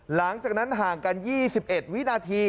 หลังจากนั้นห่างกัน๒๑วินาที